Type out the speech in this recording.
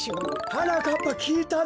はなかっぱきいたぞ。